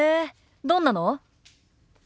どんなの？